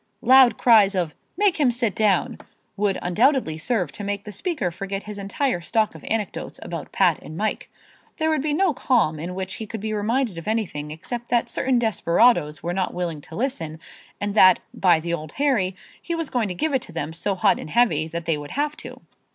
Loud cries of "Make him sit down" would undoubtedly serve to make the speaker forget his entire stock of anecdotes about Pat and Mike. There would be no calm in which he could be reminded of anything except that certain desperadoes were not willing to listen, and that, by the Old Harry, he was going to give it to them so hot and heavy that they would have to.